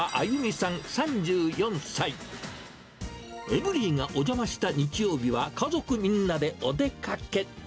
エブリィがお邪魔した日曜日は、家族みんなでお出かけ。